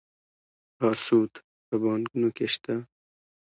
آیا سود په بانکونو کې شته؟